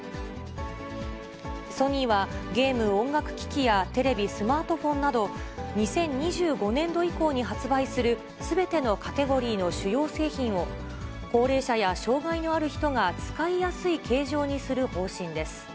ソニーは、ゲーム・音楽機器やテレビ、スマートフォンなど、２０２５年度以降に発売するすべてのカテゴリーの主要製品を、高齢者や障がいのある人が使いやすい形状にする方針です。